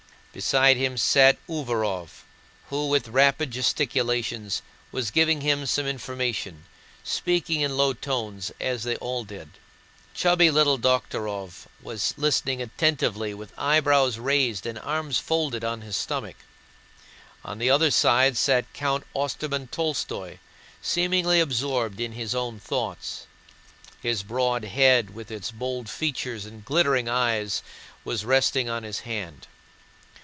Beside him sat Uvárov, who with rapid gesticulations was giving him some information, speaking in low tones as they all did. Chubby little Dokhtúrov was listening attentively with eyebrows raised and arms folded on his stomach. On the other side sat Count Ostermann Tolstóy, seemingly absorbed in his own thoughts. His broad head with its bold features and glittering eyes was resting on his hand.